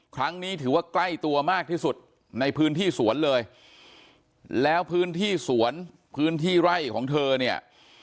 ครั้งนี้ถือว่าใกล้ตัวมากที่สุดในพื้นที่สวนเลยแล้วพื้นที่สวนพื้นที่ไร่ของเธอเนี่ย